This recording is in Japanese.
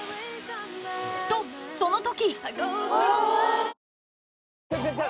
とその時！